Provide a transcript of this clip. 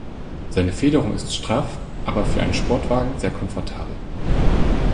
Seine Federung ist straff, aber für einen Sportwagen sehr komfortabel.